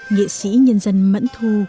nghệ sĩ nhân dân mẫn thu